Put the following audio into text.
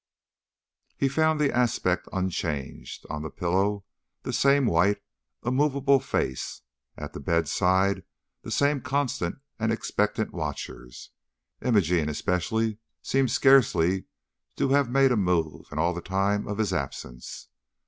He found the aspect unchanged. On the pillow the same white, immovable face; at the bedside the same constant and expectant watchers. Imogene especially seemed scarcely to have made a move in all the time of his absence.